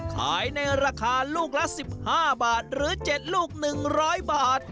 ขายในราคาลูกละ๑๕บาทหรือ๗ลูก๑๐๐บาท